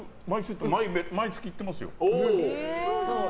毎月行ってますよ。